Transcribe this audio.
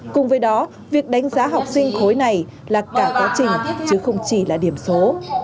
cùng với đó việc đánh giá học sinh khối này là cả quá trình chứ không chỉ là điểm số